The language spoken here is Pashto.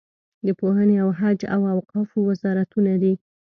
د پوهنې او حج او اوقافو وزارتونه دي.